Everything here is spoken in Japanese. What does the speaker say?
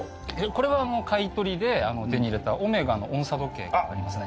これは買い取りで手に入れたＯＭＥＧＡの音叉時計になりますね。